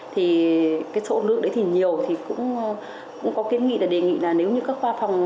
thì số lượng đấy thì nhiều cũng có kiến nghị đề nghị là nếu như các khoa phòng